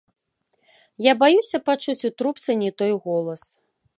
Я баюся пачуць у трубцы не той голас.